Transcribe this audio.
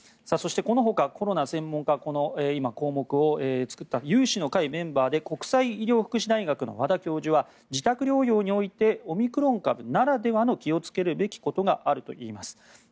そして、このほかコロナ専門家のこの項目を作った有志の会のメンバーで国際医療福祉大学の和田教授は自宅療養においてオミクロン株ならではの気をつけるべきことがあるといいます。